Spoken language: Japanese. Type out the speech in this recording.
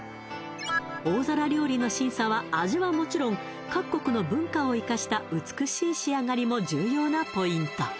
大皿料理の審査は味はもちろん各国の文化を生かした美しい仕上がりも重要なポイント